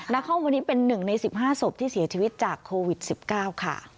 นครวันนี้เป็น๑ใน๑๕ศพที่เสียชีวิตจากโควิด๑๙ค่ะ